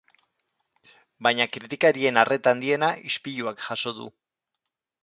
Baina kritikarien arreta handiena ispiluak jaso du.